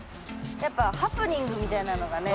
やっぱハプニングみたいなのがね。